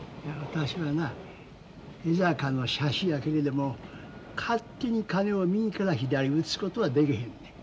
私はな江坂の社主やけれども勝手に金を右から左に移すことはでけへんねん。